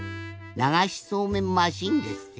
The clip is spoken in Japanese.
ながしそうめんマシーンですって？